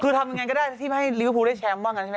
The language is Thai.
คือทำอย่างไรก็ได้ที่ให้ลีเวอร์ภูมิได้แชมป์บ้างนะ